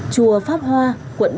chùa pháp hoa quận ba tp hcm